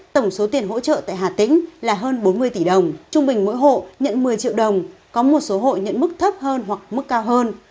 tổng số tiền hỗ trợ tại hà tĩnh là hơn bốn mươi tỷ đồng trung bình mỗi hộ nhận một mươi triệu đồng có một số hộ nhận mức thấp hơn hoặc mức cao hơn